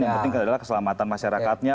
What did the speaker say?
yang penting adalah keselamatan masyarakatnya